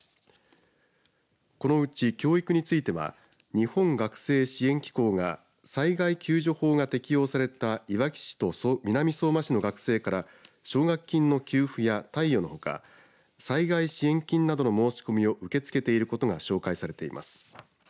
このうち教育については日本学生支援機構が災害救助法が適用されたいわき市と南相馬市の学生から奨学金の給付や貸与のほか災害支援金などの申し込みを受け付けていることが紹介されています。